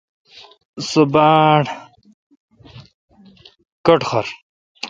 سو باڑ کٹخر۔